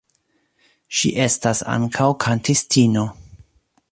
Ŝi estas ankaŭ kantistino.